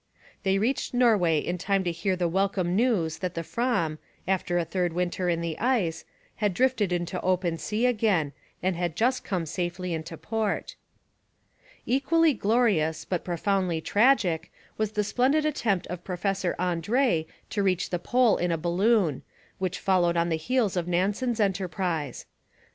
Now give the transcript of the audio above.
They reached Norway in time to hear the welcome news that the Fram, after a third winter in the ice, had drifted into open sea again and had just come safely into port. Equally glorious, but profoundly tragic, was the splendid attempt of Professor Andrée to reach the Pole in a balloon, which followed on the heels of Nansen's enterprise.